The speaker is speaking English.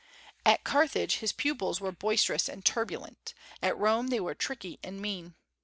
At Carthage his pupils were boisterous and turbulent; at Rome they were tricky and mean.